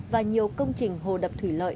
và nhiều công trình hồ đập thủy lợi